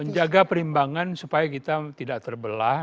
menjaga perimbangan supaya kita tidak terbelah